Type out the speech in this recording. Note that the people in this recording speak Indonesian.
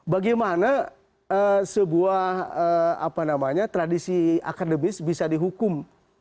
bagaimana sebuah tradisi akademis bisa dihukum